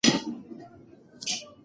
آیا ته کولای ېې ما ته لاره وښیې؟